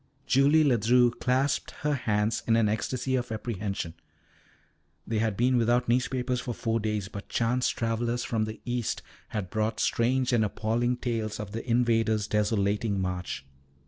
Julie Ledru clasped her hands in an ecstasy of apprehension. They had been without newspapers for four days, but chance travellers from the East had brought strange and appalling tales of the invaders' desolating march.